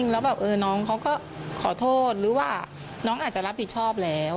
แล้วแบบน้องเขาก็ขอโทษหรือว่าน้องอาจจะรับผิดชอบแล้ว